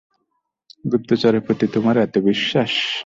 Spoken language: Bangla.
গুপ্তচরের প্রতি তোমার এতো বিশ্বাস?